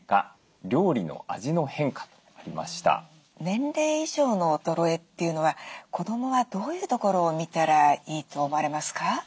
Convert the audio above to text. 年齢以上の衰えというのは子どもはどういうところを見たらいいと思われますか？